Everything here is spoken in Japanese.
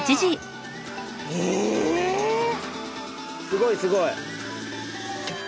すごいすごい！